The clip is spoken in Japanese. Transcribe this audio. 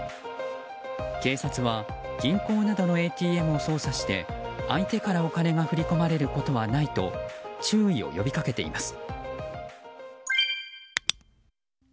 警察は銀行などのＡＴＭを操作して相手からお金が振り込まれることはないと注意を呼びかけています。